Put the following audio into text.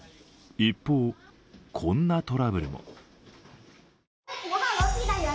一方、こんなトラブルも。